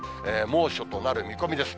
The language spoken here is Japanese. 猛暑となる見込みです。